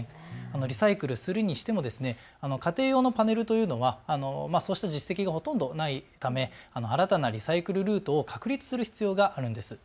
リサイクルするにしても家庭用のパネルというのは実績がほとんどないため新たなリサイクルルートを確立する必要があるんです。